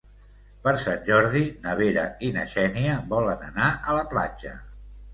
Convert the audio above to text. Per Sant Jordi na Vera i na Xènia volen anar a la platja.